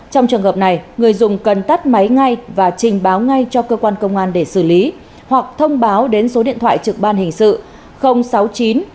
trong trường hợp này người dùng cần tắt máy ngay và trình báo ngay cho cơ quan công an để xử lý hoặc thông báo đến số điện thoại trực ban hình sự sáu mươi chín